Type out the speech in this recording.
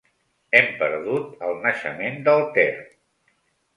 Hem perdut el naixement del Ter.